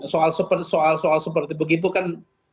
soal soal seperti begitu kan